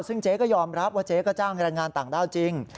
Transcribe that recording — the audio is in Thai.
ซึ่งเจ๊ก็ยอมรับว่าเจ๊ก็จ้างแรงงานต่างด้าวจริง